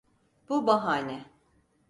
Bu bahane...